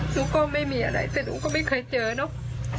หนูก็ไม่มีอะไรแต่หนูก็ไม่เคยเจอเนอะ